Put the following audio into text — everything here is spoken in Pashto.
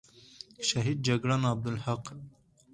شهید جگړن عبدالحق،